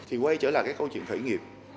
thì quay trở lại cái câu chuyện khởi nghiệp